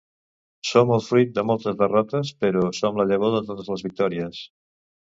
Som el fruit de moltes derrotes, però som la llavor de totes les victòries.